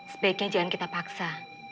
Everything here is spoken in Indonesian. sebaiknya jangan kita paksa